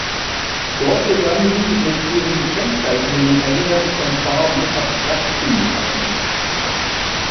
Dort begann sie, mit ihrem kennzeichnenden Einsatz von Farben, abstrakt zu malen.